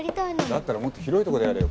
だったらもっと広いとこでやれよ